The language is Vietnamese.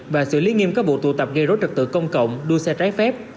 và xử lý nghiêm các vụ tụ tập gây rối trật tự công cộng đua xe trái phép